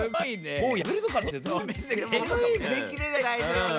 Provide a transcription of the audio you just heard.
もうやめるのかな？